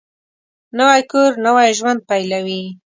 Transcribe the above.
نوی کور نوی ژوند پېلوي